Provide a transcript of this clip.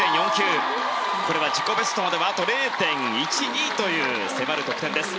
これは自己ベストまで０．１２に迫る得点です。